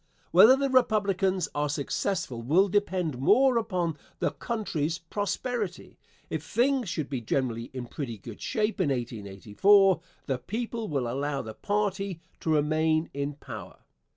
Whether the Republicans are successful will depend more upon the country's prosperity. If things should be generally in pretty good shape in 1884, the people will allow the party to remain in power.